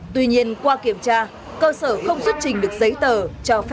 tuy nhiên qua kiểm tra cơ sở không xuất trình được diễn ra